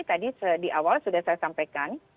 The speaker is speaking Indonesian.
tadi di awal sudah saya sampaikan